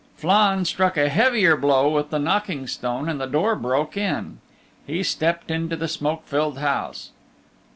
Flann struck a heavier blow with the knocking stone and the door broke in. He stepped into the smoke filled house.